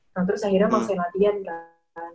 nah terus akhirnya maksai latihan kan